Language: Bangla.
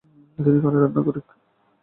তিনি কানাডার নাগরিক।